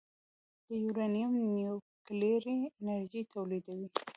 د یورانیم نیوکلیري انرژي تولیدوي.